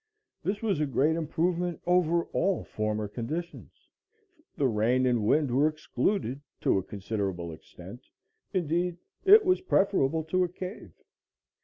This was a great improvement over all former conditions; the rain and wind were excluded, to a considerable extent; indeed, it was preferable to a cave.